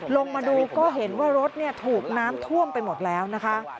ลงมาดูก็เห็นว่ารถถูกน้ำท่วมไปหมดแล้วนะคะ